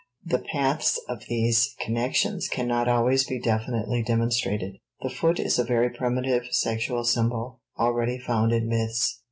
The paths of these connections can not always be definitely demonstrated. The foot is a very primitive sexual symbol already found in myths.